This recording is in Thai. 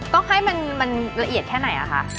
ต้องให้มันละเอียดแค่ไหนอะคะ